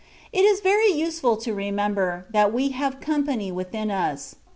It is very useful to remember, that we have "company^' within us.